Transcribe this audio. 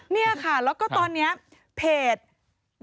นี่ค่ะแล้วก็ตอนนี้เพจ